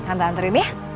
nanti anterin ya